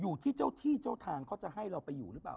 อยู่ที่เจ้าที่เจ้าทางเขาจะให้เราไปอยู่หรือเปล่า